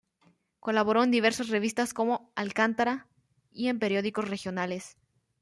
Colaboró en diversas revistas como "Alcántara" y en periódicos regionales.